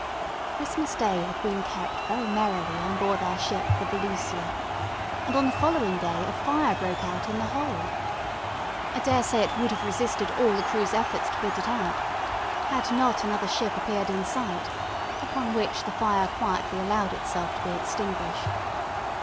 Christmas day had been kept very merrily on board our ship the "Velusia;" and on the following day a fire broke out in the hold. I dare say it would have resisted all the crew's efforts to put it out, had not another ship appeared in sight; upon which the fire quietly allowed itself to be extinguished.